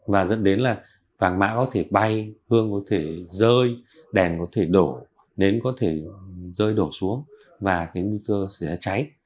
và dẫn đến là vàng mã có thể bay hương có thể rơi đèn có thể đổ nến có thể rơi đổ xuống và cái nguy cơ sẽ cháy